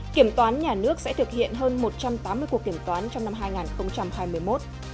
kiểm toán nhà nước sẽ thực hiện hơn một trăm tám mươi cuộc kiểm toán trong năm hai nghìn hai mươi một